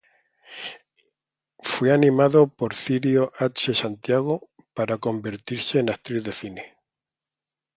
Fue animada por Cirio H. Santiago para convertirse en actriz de cine.